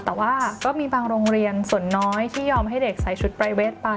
แต่ว่าก็มีบางโรงเรียนส่วนน้อยที่ยอมให้เด็กใส่ชุดปรายเวทไป